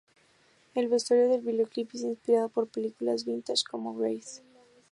El vestuario del videoclip es inspirado por películas vintage como "Grease".